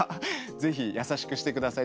是非優しくしてください。